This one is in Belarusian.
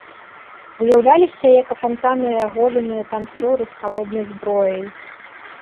Уяўляліся як апантаныя аголеныя танцоры з халоднай зброяй.